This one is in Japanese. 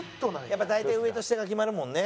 やっぱ大体上と下が決まるもんね。